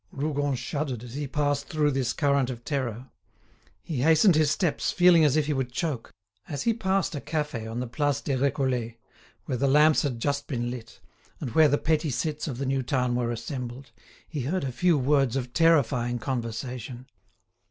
Rougon shuddered as he passed through this current of terror. He hastened his steps, feeling as if he would choke. As he passed a cafe on the Place des Récollets, where the lamps had just been lit, and where the petty cits of the new town were assembled, he heard a few words of terrifying conversation.